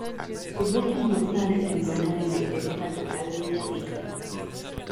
Sus restos mortales se encuentran en la Iglesia Catedral de Villarrica.